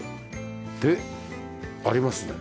でありますね。